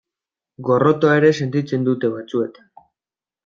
Gorrotoa ere sentitzen dute batzuetan.